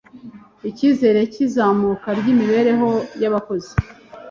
icyizere cy’izamuka ry’imibereho y’abakozi